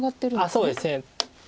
そうですね。